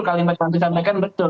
kalimat yang disampaikan betul